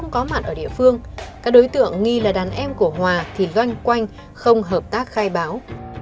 có mặt ở địa phương các đối tượng nghi là đàn em của hòa thì loanh quanh không hợp tác khai báo